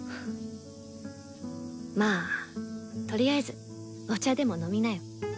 まあとりあえずお茶でも飲みなよ。